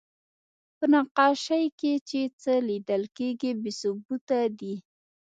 په نقاشۍ کې چې څه لیدل کېږي، بې ثبوته دي.